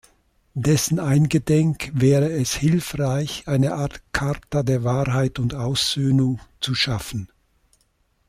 Dessen eingedenk wäre es hilfreich, eine Art "Charta der Wahrheit und Aussöhnung" zu schaffen.